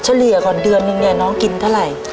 เลี่ยก่อนเดือนนึงเนี่ยน้องกินเท่าไหร่